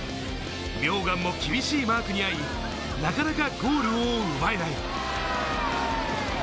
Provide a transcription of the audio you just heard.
名願も厳しいマークに遭い、なかなかゴールを奪えない。